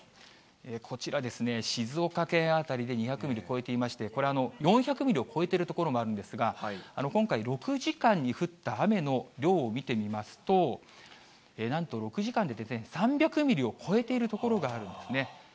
こちらですね、静岡県辺りで２００ミリ超えていまして、これ、４００ミリを超えている所もあるんですが、今回、６時間に降った雨の量を見てみますと、なんと６時間で３００ミリを超えている所があるんですね。